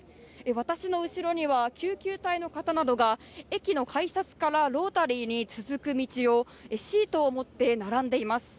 私の後ろには救急隊の方などが駅の改札からロータリーに続く道をシートを持って並んでいます。